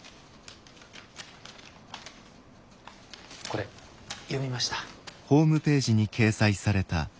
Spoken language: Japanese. これ読みました。